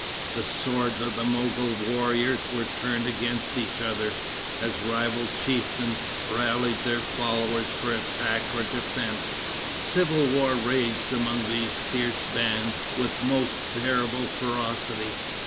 The swords of the Mogol warriors were turned against each other, as rival chieftains rallied their followers for attack or defense. Civil war raged among these fierce bands with most terrible ferocity.